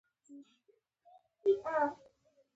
د ماشومانو نومونه د مورني نیکونو له پلوه ټاکل کیدل.